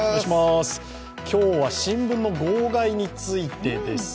今日は新聞の号外についてです。